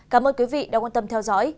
cảm ơn quý vị đã quan tâm theo dõi